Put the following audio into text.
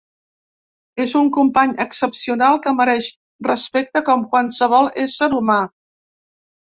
És un company excepcional que mereix respecte com qualsevol ésser humà.